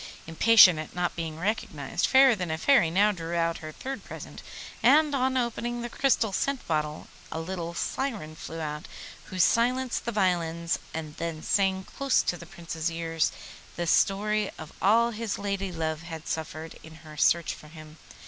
Impatient at not being recognised, Fairer than a Fairy now drew out her third present, and on opening the crystal scent bottle a little syren flew out, who silenced the violins and then sang close to the Prince's ear the story of all his lady love had suffered in her search for him.